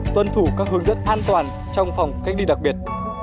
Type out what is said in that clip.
tuân thủ các hướng dẫn an toàn trong phòng cách ly đặc biệt